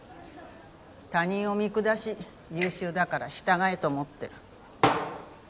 他人を見下し優秀だから従えと思ってる。